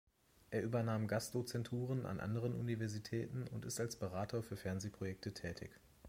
Er übernahm Gastdozenturen an anderen Universitäten und ist als Berater für Fernsehprojekte tätig.